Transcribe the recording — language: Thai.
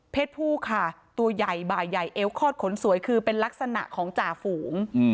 ผู้ค่ะตัวใหญ่บ่ายใหญ่เอวคลอดขนสวยคือเป็นลักษณะของจ่าฝูง